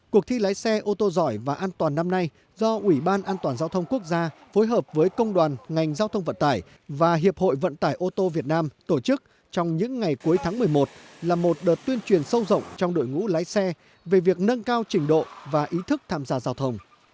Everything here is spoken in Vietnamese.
cuộc thi lái xe ô tô giỏi và an toàn năm nay do ủy ban an toàn giao thông quốc gia phối hợp với công đoàn ngành giao thông vận tải và hiệp hội vận tải ô tô việt nam tổ chức trong những ngày cuối tháng một mươi một là một đợt tuyên truyền sâu rộng trong đội ngũ lái xe về việc nâng cao trình độ và ý thức tham gia giao thông